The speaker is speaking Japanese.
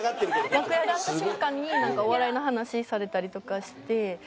楽屋で会った瞬間になんかお笑いの話されたりとかして。